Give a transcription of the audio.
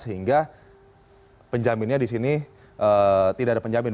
sehingga penjaminnya di sini tidak ada penjamin